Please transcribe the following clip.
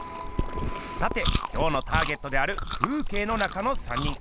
さて今日のターゲットである「風景の中の三人」。